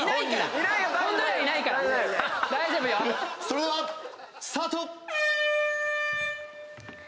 それではスタート！